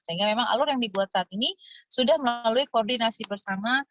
sehingga memang alur yang dibuat saat ini sudah melalui koordinasi bersama